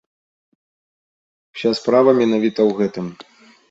Уся справа менавіта ў гэтым.